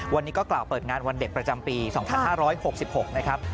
วันนี้ก็กล่าวเปิดงานวันเด็กประจำปี๒๕๖๖นะครับ